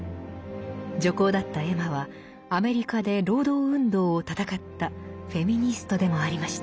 女工だったエマはアメリカで労働運動を闘ったフェミニストでもありました。